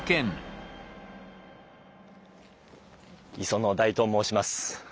磯野大と申します。